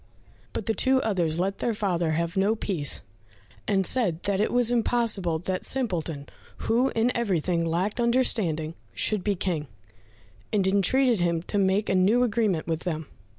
But the two others let their father have no peace, and said that it was impossible that Simpleton, who in everything lacked understanding, should be King, and entreated him to make a new agreement with them.